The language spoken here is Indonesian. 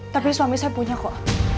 tapi suami saya punya kok